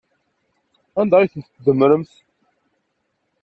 Anda ay tent-tdemmremt?